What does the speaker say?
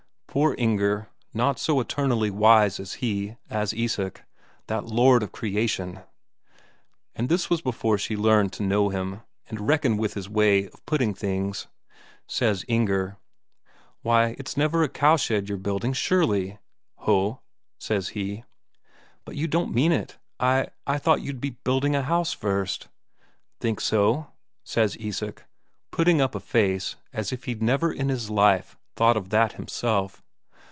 Poor Inger, not so eternally wise as he, as Isak, that lord of creation. And this was before she learned to know him, and reckon with his way of putting things. Says Inger: "Why, it's never a cowshed you're building, surely?" "Ho," says he. "But you don't mean it? I I thought you'd be building a house first." "Think so?" says Isak, putting up a face as if he'd never in life have thought of that himself.